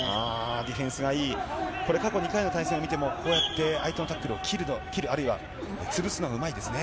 ディフェンスがいい、これ過去２回の対戦を見ても、こうやって相手のタックルを切る、あるいは潰すのがうまいですね。